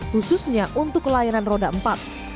khususnya untuk layanan roda empat